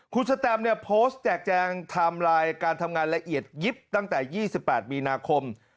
คุณสแตมเนี่ยโพสต์แจกแจงไทม์ไลน์การทำงานละเอียดยิบตั้งแต่๒๘มีนาคม